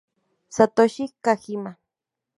Satoshi Kojima